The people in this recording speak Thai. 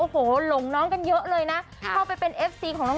โอ้โหหลงน้องกันเยอะเลยนะเข้าไปเป็นเอฟซีของน้อง